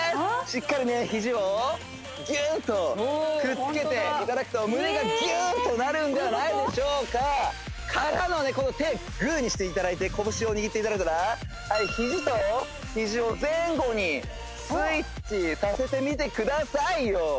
しっかりヒジをギューッとくっつけていただくと胸がギューッとなるんじゃないでしょうかからの手グーにしていただいてこぶしを握っていただいたらはいヒジとヒジを前後にスイッチさせてみてくださいよ